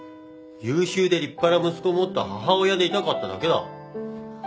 優秀で立派な息子を持った母親でいたかっただけだろ。